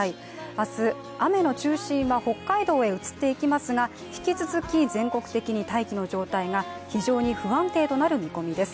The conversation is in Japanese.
明日、雨の中心は北海道へ移っていきますが引き続き、全国的に大気の状態が非常に不安定となる見込みです。